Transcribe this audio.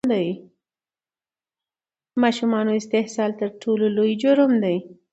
د ماشومانو استحصال تر ټولو لوی جرم دی!